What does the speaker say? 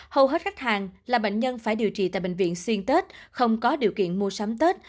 hầu hết khách hàng là bệnh nhân phải điều trị tại bệnh viện xuyên tết không có điều kiện mua sắm tết